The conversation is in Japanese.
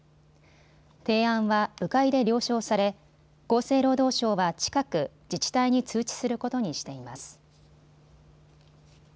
提案は部会で了承され厚生労働省は近く自治体に通知することにしています。